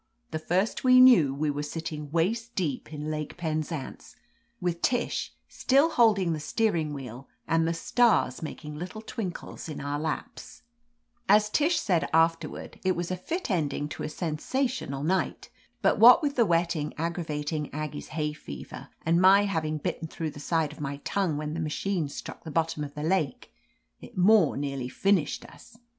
The first we knew we were sitting waist deep in Lake Penzance, with Tish still holding the steering wh^el and the stars making little twinkles in our laps. 209 1 THE AMAZING ADVENTURES As Tish said afterward, it was a fit ending to a sensational night, but, what with the wet ting aggravating Aggie's hay fever, and my • ^having bitten through the side of my tongue when the machine struck the bottom of the lake, it more nearly finished us.